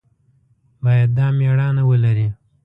باید دا مېړانه ولري.